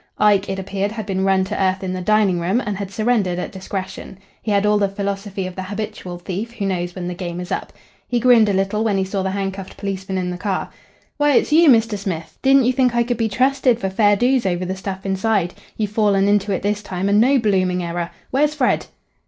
Ike, it appeared, had been run to earth in the dining room, and had surrendered at discretion. He had all the philosophy of the habitual thief who knows when the game is up. He grinned a little when he saw the handcuffed policeman in the car. "Why, it's you, Mr. Smith! Didn't you think I could be trusted for fair does over the stuff inside? You've fallen into it this time, and no blooming error. Where's Fred?"